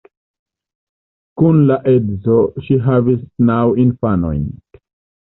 Kun la edzo ŝi havis naŭ infanojn.